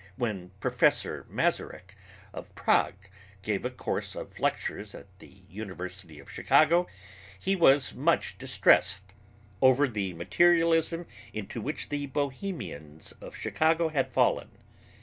When Professor Masurek of Prague gave a course of lectures in the University of Chicago, he was much distressed over the materialism into which the Bohemians of Chicago had fallen.